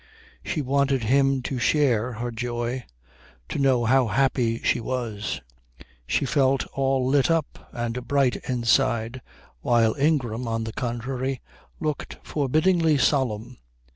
She wanted him to share her joy, to know how happy she was. She felt all lit up and bright inside, while Ingram, on the contrary, looked forbiddingly solemn.